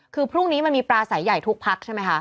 คือพรุ่งนี้มันมีปลาสายใหญ่ทุกพักใช่ไหมคะ